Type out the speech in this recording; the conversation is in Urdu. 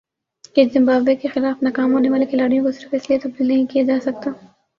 کہ زمبابوے کے خلاف ناکام ہونے والے کھلاڑیوں کو صرف اس لیے تبدیل نہیں کیا جا سکتا